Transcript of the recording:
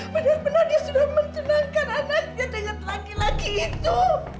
sebenarnya dia sudah menjenangkan anaknya dengan laki laki itu